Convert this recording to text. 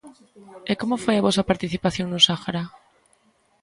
E como foi a vosa participación no Sahara?